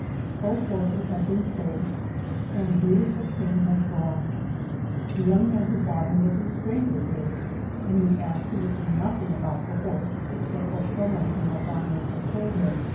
Both horses have been sold and beautiful King has gone. The young man who bought him was a stranger here, and knew absolutely nothing about the horse except what some one in Las Animas had told him.